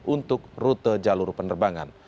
untuk rute jalur penerbangan